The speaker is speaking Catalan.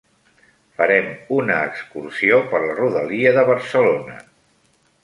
Farem una excursió per la rodalia de Barcelona.